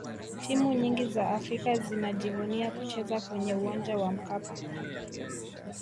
timu nyingi za afrika zinajivunia kucheza kwenye uwanja wa mkapa